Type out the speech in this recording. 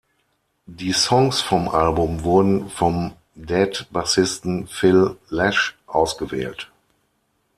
Die Songs vom Album wurden vom Dead-Bassisten Phil Lesh ausgewählt.